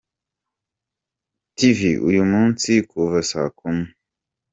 tv uyu munsi kuva saa kumi .